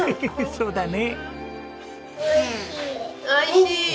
そうだね。